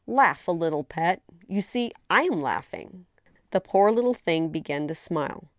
Laugh a little, pet— you see I am laughing." The poor little thing began to smile.